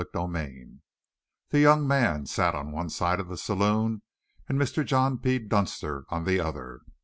CHAPTER II The young man sat on one side of the saloon and Mr. John P. Dunster on the other.